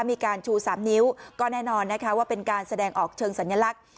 มีการชู๓นิ้วก็แน่นอนนะคะว่าเป็นการแสดงออกเชิงสัญลักษณ์